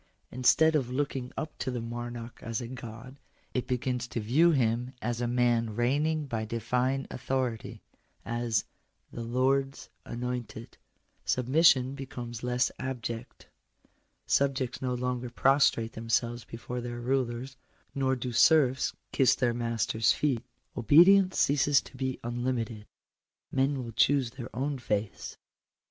Instead of looking up to the monarch as a God, it begins to view him as a man reigning by divine authority — as " the Lords anointed." Submission becomes less abject. Subjects no longer prostrate themselves before their rulers, nor do serfs kiss their masters feet. Obedience ceases to be unlimited: men will ohoose their own faiths.